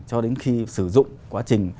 cho đến khi sử dụng quá trình